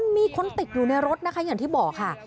มีคนติดอยู่ในรถนะคะอย่างที่บอกค่ะ